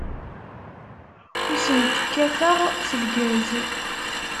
Ur tent-kkateɣ s lgaz.